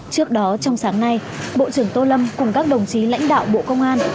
trước đó trong sáng nay bộ trưởng tô lâm cùng các đồng chí lãnh đạo bộ công an